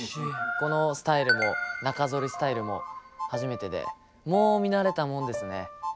このスタイルも中剃りスタイルも初めてでもう見慣れたもんですね。